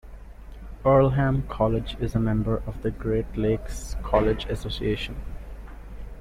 Earlham College is a member of the Great Lakes Colleges Association.